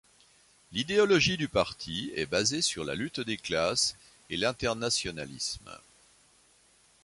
L'idéologie du parti est basée sur la lutte des classes et l'internationalisme.